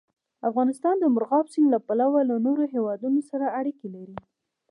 افغانستان د مورغاب سیند له پلوه له نورو هېوادونو سره اړیکې لري.